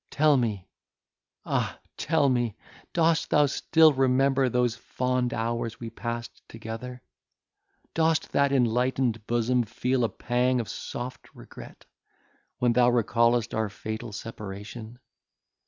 Tell me, ah! tell me, dost thou still remember those fond hours we passed together? Doth that enlightened bosom feel a pang of soft regret, when thou recallest our fatal separation?